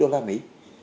đó là một cái